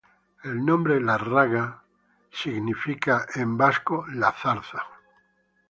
El nombre "Larraga" se traduce en vasco como "la zarza".